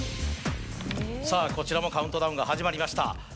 さぁこちらもカウントダウンが始まりました。